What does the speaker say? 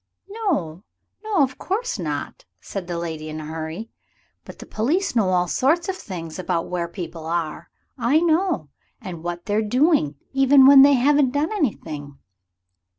"No, no, of course not," said the lady in a hurry; "but the police know all sorts of things about where people are, I know, and what they're doing even when they haven't done anything."